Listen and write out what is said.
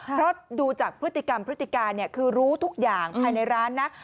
เพราะดูจากพฤติกรรมพฤติการคือรู้ทุกอย่างภายในร้านนะ